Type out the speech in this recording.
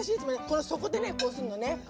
この底でねこうするのね。